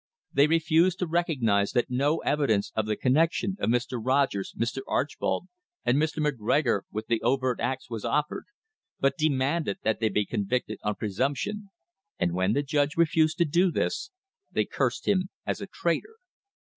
They re fused to recognise that no evidence of the connection of Mr. Rogers, Mr. Archbold and Mr. McGregor with the overt acts was offered, but demanded that they be convicted on presumption, and when the judge refused to do this they cursed him as a traitor.